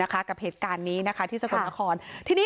กับเหตุการณ์นี้ที่สกฏรละคร